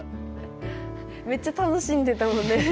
めっちゃ楽しんでたもんね。